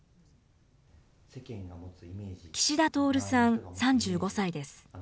岸田徹さん３５歳です。